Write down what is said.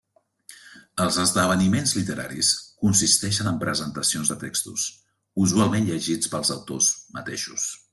Els esdeveniments literaris consisteixen en presentacions de textos, usualment llegits pels autors mateixos.